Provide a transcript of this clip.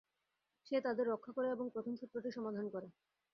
সে তাদের রক্ষা করে এবং প্রথম সূত্রটি সমাধান করে।